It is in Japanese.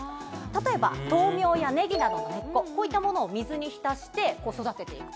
例えば、豆苗やねぎなどの根っこ、こういったものを水に浸して育てていく。